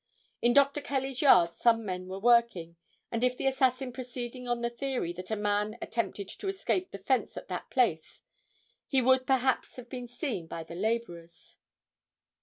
In Dr. Kelly's yard some men were working, and if the assassin proceeding on the theory that a man attempted to scale the fence at that place, he would perhaps have been seen by the laborers.